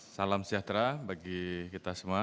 salam sejahtera bagi kita semua